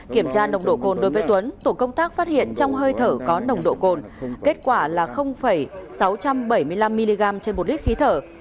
kiểm tra nồng độ cồn đối với tuấn tổ công tác phát hiện trong hơi thở có nồng độ cồn kết quả là sáu trăm bảy mươi năm mg trên một lít khí thở